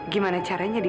gimana caranya di